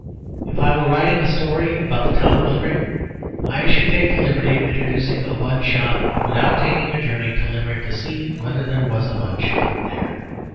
If I were writing a story about the town of Limerick, I should take the liberty of introducing a bun shop without taking a journey to Limerick to see whether there was a bun shop there.